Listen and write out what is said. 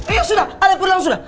iya sudah ada pulang sudah